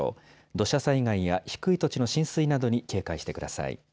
土砂災害や低い土地の浸水などに警戒してください。